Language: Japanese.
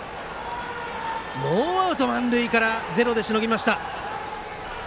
ノーアウト満塁からゼロでしのぎました。